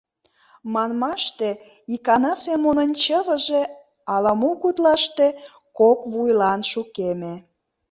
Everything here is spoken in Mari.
Манмаште, икана Семонын чывыже ала-мо гутлаште кок вуйлан шукеме.